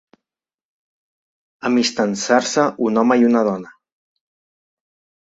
Amistançar-se un home i una dona.